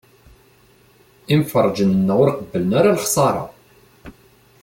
Imferrǧen-nneɣ ur qebblen ara lexṣara.